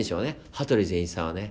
羽鳥善一さんはね。